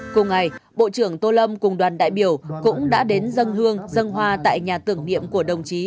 cùng ngày bộ trưởng tô lâm cùng đoàn đại biểu cũng đã đến dân hương dân hoa tại nhà tưởng niệm của đồng chí